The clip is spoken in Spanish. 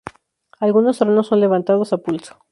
Algunos tronos son levantados "a pulso".